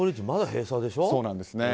まだ封鎖でしょう。